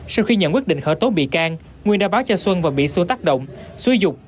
sau khi nhận quyết định khởi tố bị can nguyên đã báo cho xuân và bị xuân tác động xúi dục